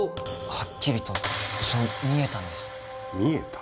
はっきりとそう見えたんです見えた？